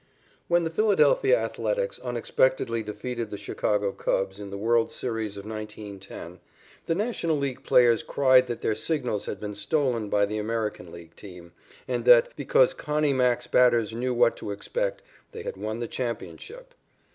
_ When the Philadelphia Athletics unexpectedly defeated the Chicago Cubs in the world's series of 1910, the National League players cried that their signals had been stolen by the American League team, and that, because Connie Mack's batters knew what to expect, they had won the championship.